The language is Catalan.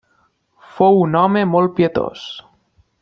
Fou un home molt pietós.